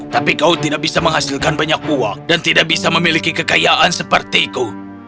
tapi kau tidak bisa menghasilkan banyak uang dan tidak bisa memiliki kekayaan sepertiku